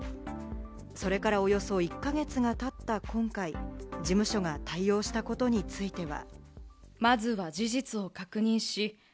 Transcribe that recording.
それからおよそ１か月が経った今回、事務所が対応したことについては。